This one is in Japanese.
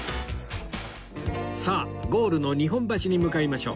さあゴールの日本橋に向かいましょう